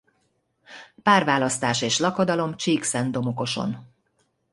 Párválasztás és lakodalom Csíkszentdomokoson.